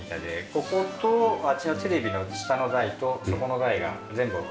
こことあっちのテレビの下の台とそこの台が全部。